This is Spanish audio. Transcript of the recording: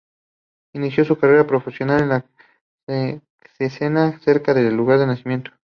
Inició su carrera profesional con el Cesena, cerca de su lugar de nacimiento.